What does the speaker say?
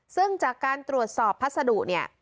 ซึ่งจากการตรวจสอบพัสดุเนี่ย